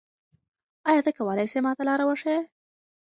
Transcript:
آیا ته کولای سې ما ته لاره وښیې؟